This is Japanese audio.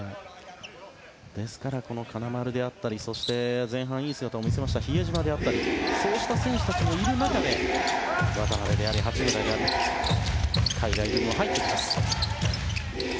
ですからこの金丸であったり前半いい姿を見せた比江島であったりそうした選手たちもいる中で渡邊であり八村など海外組も入ってきます。